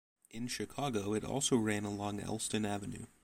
In Chicago, it also ran along Elston Avenue.